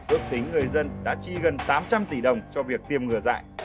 ước tính người dân đã chi gần tám trăm linh tỷ đồng cho việc tiêm ngừa dại